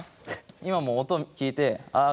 今も音を聞いてああ